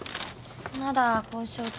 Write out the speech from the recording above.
まだ交渉中。